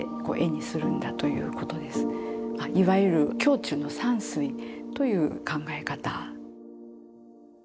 まあいわゆる胸中の山水という考え方。